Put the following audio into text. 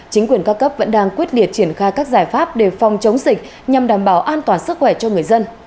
chính quyền ca cấp vẫn đang quyết liệt triển khai các giải pháp để phòng chống dịch nhằm đảm bảo an toàn sức khỏe cho người dân